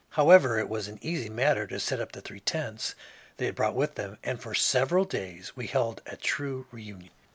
However, it was an easy matter to set up the three tents they had brought with them, and for several days we held a true reunion.